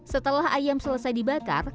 setelah ayam selesai dibakar